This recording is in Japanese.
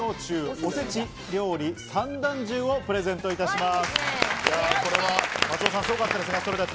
おせち料理三段重をプレゼントいたします。